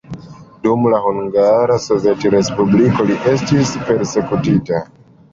Dum la Hungara Sovetrespubliko li estis persekutita.